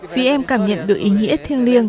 vì em cảm nhận được ý nghĩa thiêng liêng